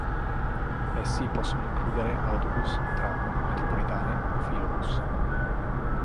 Essi possono includere autobus, tram, metropolitane o filobus.